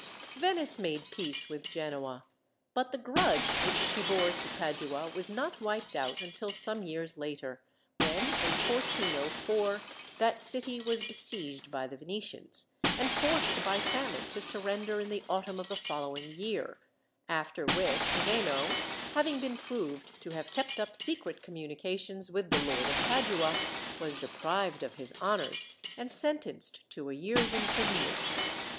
Venice made peace with Genoa, but the grudge which she bore to Padua was not wiped out until some years later, when, in 1404, that city was besieged by the Venetians, and forced by famine to surrender in the autumn of the following year; after which Zeno, having been proved to have kept up secret communications with the Lord of Padua, was deprived of his honours and sentenced to a year's imprisonment.